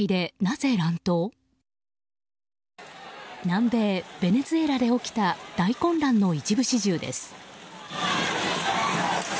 南米ベネズエラで起きた大混乱の一部始終です。